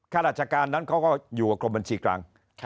ข้าราชการนั้นเขาก็อยู่กับกรมบัญชีกลาง